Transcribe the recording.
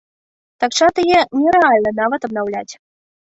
Так часта яе нерэальна нават абнаўляць.